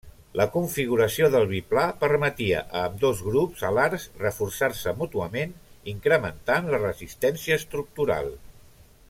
La configuració del biplà permetia a ambdós grups alars reforçar-se mútuament, incrementant la resistència estructural.